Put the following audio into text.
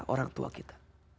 orang tua kita